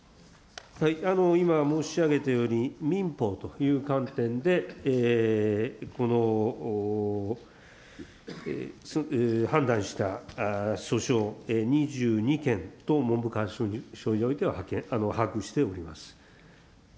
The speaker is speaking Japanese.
今申し上げたように、民法という観点でこの判断した訴訟、２２件と文部科学省においては把握しております。